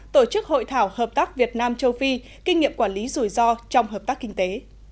tổ chức hội thảo hợp tác việt nam châu phi kinh nghiệm quản lý rủi ro trong hợp tác kinh tế